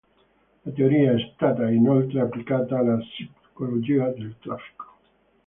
La teoria è stata inoltre applicata alla Psicologia del Traffico.